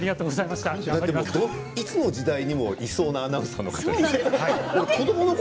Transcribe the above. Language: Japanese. いつの時代にも、いそうなアナウンサーの方ですよね。